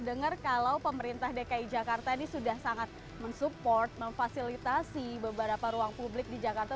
dan biar dapatlah air bumbu nanti terakhir kita hasilnya dari bumi tahun dua puluh satu st der